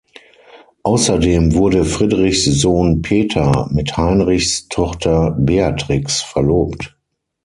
Außerdem wurde Friedrichs Sohn Peter mit Heinrichs Tochter Beatrix verlobt.